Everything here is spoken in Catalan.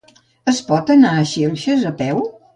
Es pot anar a Xilxes a peu?